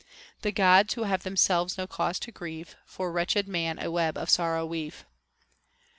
The Gods, who have themselves no cause to grieve, For wretched man a web of sorrow weave.